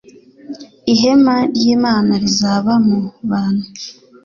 ihema ry'Imana rizaba mu bantu,.